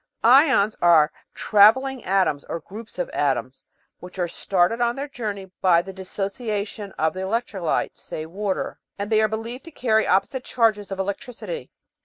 Ions are travelling atoms, or groups of atoms, which are started on their journey by the dissociation of the electrolyte (say, water), and they are believed to carry opposite charges of electricity.